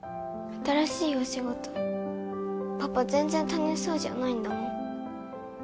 新しいお仕事パパ全然楽しそうじゃないんだもん